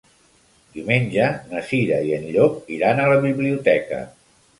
Diumenge na Cira i en Llop iran a la biblioteca.